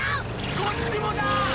こっちもだ！